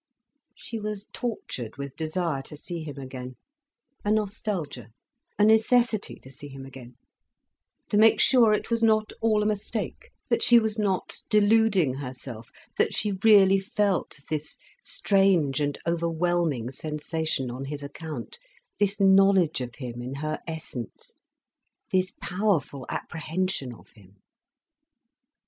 She was tortured with desire to see him again, a nostalgia, a necessity to see him again, to make sure it was not all a mistake, that she was not deluding herself, that she really felt this strange and overwhelming sensation on his account, this knowledge of him in her essence, this powerful apprehension of him.